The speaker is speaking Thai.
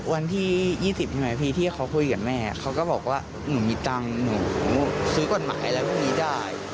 วันที่๒๐ใช่ไหมพี่ที่เขาคุยกับแม่เขาก็บอกว่าหนูมีตังค์หนูซื้อกฎหมายอะไรพวกนี้ได้